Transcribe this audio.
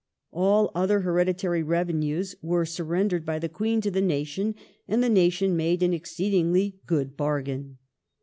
^ All other hereditary revenues were surrendered by the Queen to the nation, and the nation made an exceedingly good bargain.